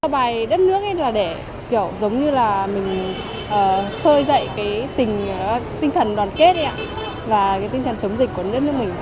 bài đất nước là để kiểu giống như là mình sơi dậy cái tinh thần đoàn kết và cái tinh thần chống dịch của đất nước mình